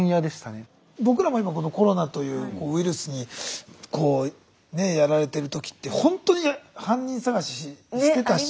僕らも今このコロナというウイルスにやられてる時ってほんとに犯人捜ししてたし。